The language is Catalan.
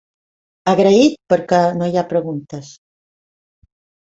Agraït perquè no hi ha preguntes.